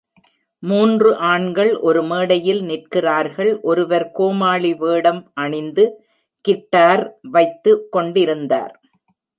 மூன்று ஆண்கள் ஒரு மேடையில் நிற்கிறார்கள், ஒருவர் கோமாளி வேடம் அணிந்து கிட்டார் வைத்து கொண்டிருந்தார்.